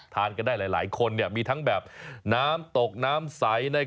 ทานกันได้หลายคนมีทั้งแบบน้ำตกน้ำใส